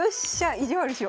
意地悪しよ。